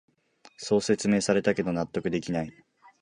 そう説明されたけど納得できない